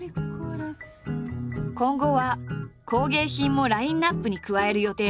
今後は工芸品もラインアップに加える予定だ。